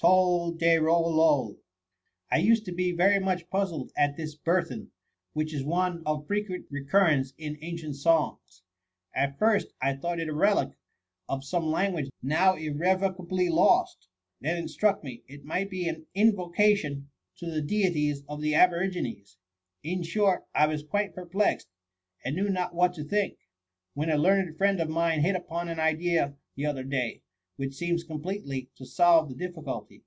Tol de rol loL' I used, to be very much puzzled at this bur then, which is one of frequent recurrence in ancient songs. At first, I thought it a relic of THE MUMMY* 121 some language now irrevocably lost. Then it struck me, it might be an invocation to the deities of the aborigines. ' In short, I was quite perplexed, and knew not what to think, when a learned friend of mine hit upon an ideia the other day, which seems completely to solve the difficulty.